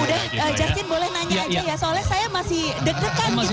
justin boleh nanya aja ya soalnya saya masih